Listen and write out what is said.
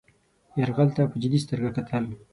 یرغل ته په جدي سترګه کتل.